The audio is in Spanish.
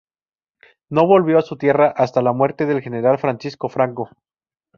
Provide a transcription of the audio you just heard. No volvió a su tierra hasta la muerte del general Francisco Franco.